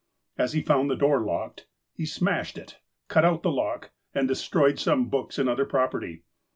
As he found the door locked, he smashed it, cut out the lock, and destroyed some books and other property.